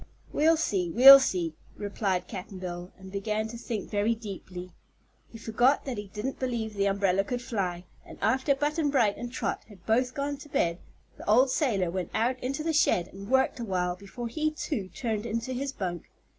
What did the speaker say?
"We'll see; we'll see," replied Cap'n Bill, and began to think very deeply. He forgot that he didn't believe the umbrella could fly, and after Button Bright and Trot had both gone to bed the old sailor went out into the shed and worked awhile before he, too, turned into his "bunk."